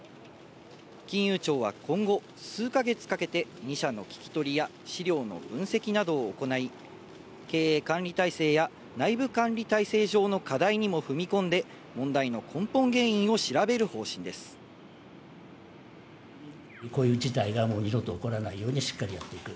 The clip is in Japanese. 金融庁は今後、数か月かけて２社の聞き取りや資料の分析などを行い、経営管理体制や内部管理体制上の課題にも踏み込んで、問題の根本こういう事態がもう二度と起こらないようにしっかりやっていく。